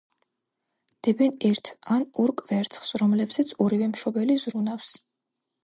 დებენ ერთ ან ორ კვერცხს, რომლებზეც ორივე მშობელი ზრუნავს.